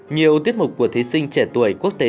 nhiều tiết mục của thí sinh trẻ tuổi quốc tế